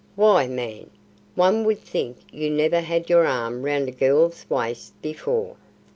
Why, man, one would think you never had your arm round a girl's waist before!